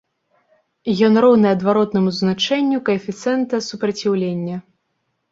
Ён роўны адваротнаму значэнню каэфіцыента супраціўлення.